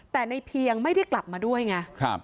แต่ในเพียงไม่ได้กลับมาด้วยไง